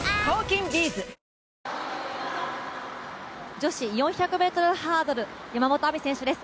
女子４００ｍハードル山本亜美選手です。